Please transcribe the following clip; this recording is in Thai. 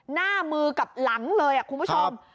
หน้ามือกับหลังเลยคุณผู้ชม